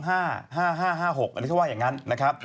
อันนี้เขาว่าอย่างนั้นนะครับ